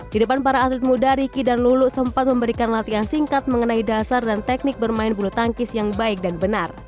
di depan para atlet muda ricky dan lulu sempat memberikan latihan singkat mengenai dasar dan teknik bermain bulu tangkis yang baik dan benar